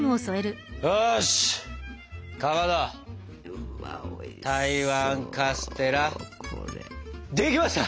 よしかまど台湾カステラできました！